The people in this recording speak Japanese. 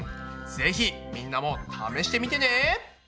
ぜひみんなも試してみてね！